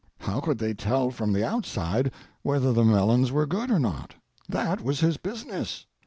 How could they tell from the outside whether the melons were good or not? That was his business.